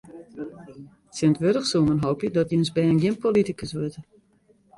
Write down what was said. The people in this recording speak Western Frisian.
Tsjintwurdich soe men hoopje dat jins bern gjin politikus wurdt.